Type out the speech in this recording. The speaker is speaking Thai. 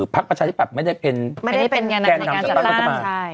ภักดิ์ประชาที่ปรับไม่ได้เป็นแก่นำจัดล่าง